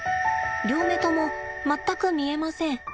両目とも全く見えません。